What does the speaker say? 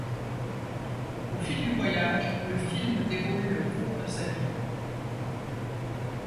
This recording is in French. Au fil du voyage, le film déroule le cours de sa vie.